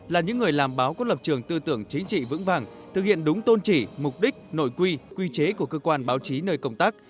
là những người làm báo có lập trường tư tưởng chính trị vững vàng thực hiện đúng tôn trị mục đích nội quy quy chế của cơ quan báo chí nơi công tác